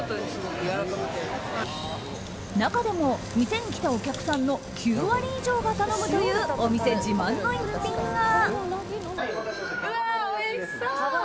中でも店に来たお客さんの９割以上が頼むというお店自慢の逸品が。